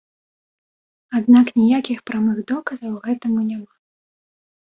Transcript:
Аднак ніякіх прамых доказаў гэтаму няма.